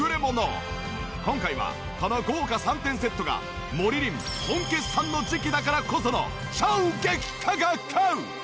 今回はこの豪華３点セットがモリリン本決算の時期だからこその衝撃価格！